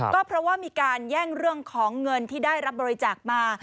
ก็เพราะว่ามีการแย่งเรื่องของเงินที่ได้รับบริจาคมา